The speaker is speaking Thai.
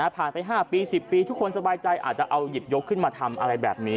ผ่านไป๕ปี๑๐ปีทุกคนสบายใจอาจจะเอาหยิบยกขึ้นมาทำอะไรแบบนี้